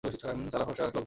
সালা ফর্সা লোকজন।